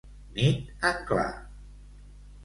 Nit en clar.